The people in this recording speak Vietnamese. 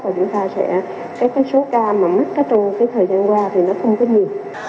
và chúng ta sẽ các số ca mà mất trong thời gian qua thì nó không có nhiều